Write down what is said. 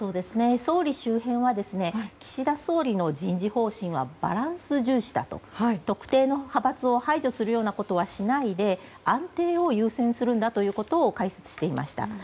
総理周辺は岸田総理の人事方針はバランス重視だと特定の派閥を排除するようなことはしないで安定を優先するんだと解説していました。